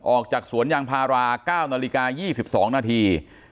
ออกจากสวนยางพารา๙๒๒ปลี